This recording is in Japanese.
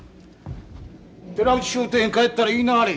寺内商店へ帰ったら言いなはれ。